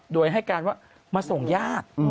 โดยให้การว่ามาส่งญาติ